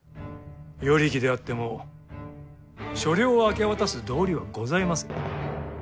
与力であっても所領を明け渡す道理はございませぬ。